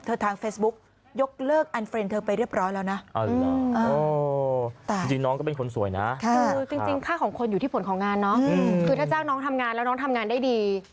คือถ้าเจ้าน้องทำงานแล้วน้องทำงานได้ดี